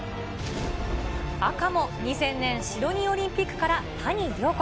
赤も２０００年、シドニーオリンピックから谷亮子。